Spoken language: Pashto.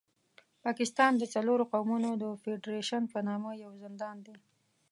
پاکستان د څلورو قومونو د فېډرېشن په نامه یو زندان دی.